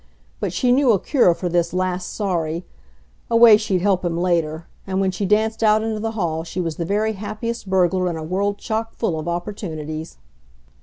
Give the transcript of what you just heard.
But she knew a cure for this last sorry a way she'd help him later; and when she danced out into the hall she was the very happiest burglar in a world chock full of opportunities.